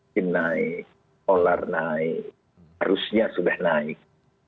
kenaik olah naik harusnya sudah naik